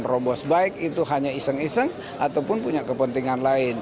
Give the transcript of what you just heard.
robos baik itu hanya iseng iseng ataupun punya kepentingan lain